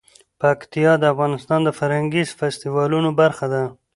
پکتیا د افغانستان د فرهنګي فستیوالونو برخه ده.